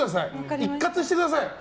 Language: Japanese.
一喝してください。